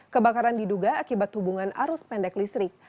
kebakaran diduga akibat hubungan arus pendek listrik